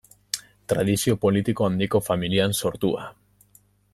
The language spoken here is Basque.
Tradizio politiko handiko familian sortua.